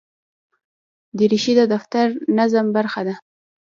دریشي د دفتري نظم برخه ده.